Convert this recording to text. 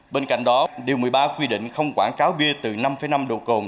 bên cạnh đó điều một mươi ba quy định không quảng cáo bia từ năm năm độ cồn